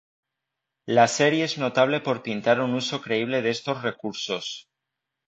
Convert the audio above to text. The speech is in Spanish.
La serie es notable por pintar un uso creíble de estos recursos.